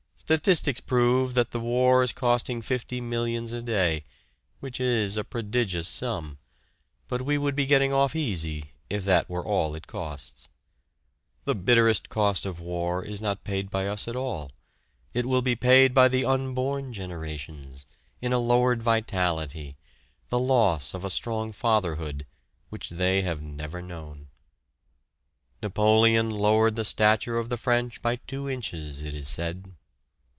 Statistics prove that the war is costing fifty millions a day, which is a prodigious sum, but we would be getting off easy if that were all it costs. The bitterest cost of war is not paid by us at all. It will be paid by the unborn generations, in a lowered vitality, the loss of a strong fatherhood, which they have never known. Napoleon lowered the stature of the French by two inches, it is said.